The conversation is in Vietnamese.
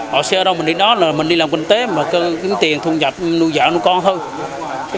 họ sẽ ở đâu mình đi đó là mình đi làm kinh tế mà cứ kiếm tiền thu nhập nuôi dạng nuôi con thôi